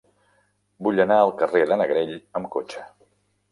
Vull anar al carrer de Negrell amb cotxe.